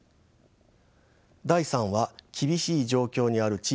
第３は「厳しい状況にある地域から学ぶ」です。